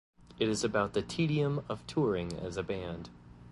It is about the tedium of touring as a band.